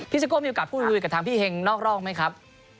พี่สักโก้มีโอกาสพูดดูด้วยกับทางพี่เฮงนอกรองไหมครับ